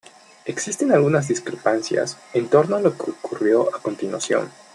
Existen algunas discrepancias en torno a lo que ocurrió a continuación.